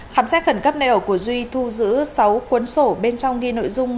khám xét khẩn cấp nèo của duy thu giữ sáu cuốn sổ bên trong ghi nội dung